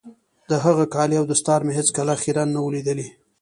د هغه کالي او دستار مې هېڅ کله خيرن نه وو ليدلي.